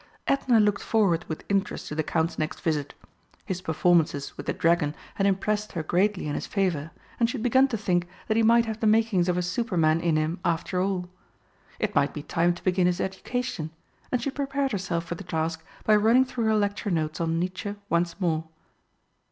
Edna looked forward with interest to the Count's next visit; his performances with the dragon had impressed her greatly in his favour, and she had begun to think that he might have the makings of a Superman in him after all. It might be time to begin his education, and she prepared herself for the task by running through her lecture notes on Nietzsche once more.